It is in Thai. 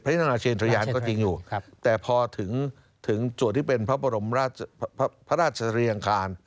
พระอาจารย์ทรยานก็จริงอยู่แต่พอถึงส่วนที่เป็นพระราชศรีรังคาร